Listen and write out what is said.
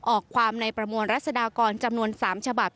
ออกความในประมวลรัศดากรจำนวน๓ฉบับ